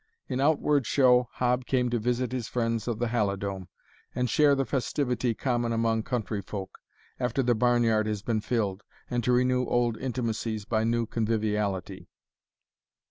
In outward show, Hob came to visit his friends of the Halidome, and share the festivity common among country folk, after the barn yard has been filled, and to renew old intimacies by new conviviality.